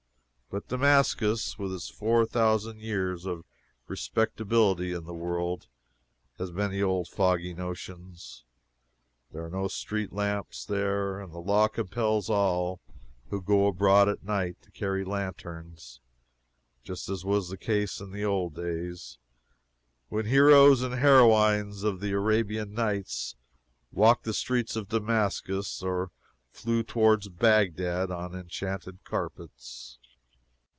But Damascus, with its four thousand years of respectability in the world, has many old fogy notions. There are no street lamps there, and the law compels all who go abroad at night to carry lanterns, just as was the case in old days, when heroes and heroines of the Arabian Nights walked the streets of Damascus, or flew away toward Bagdad on enchanted carpets.